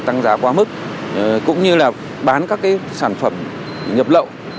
tăng giá quá mức cũng như là bán các sản phẩm nhập lậu